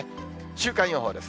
週間予報です。